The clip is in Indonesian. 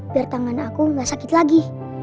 biar tangan aku nggak sakit lagi